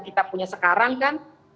kita punya sekarang kan